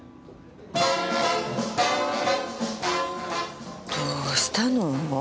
どうしたの？